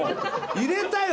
入れたよ